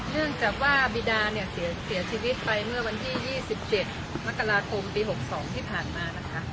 เรื่องจับว่าบีดาเสียชีวิตไปเมื่อวันที่๒๗มกราคมปี๖๒ที่ผ่านมา